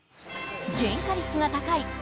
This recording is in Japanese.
原価率が高い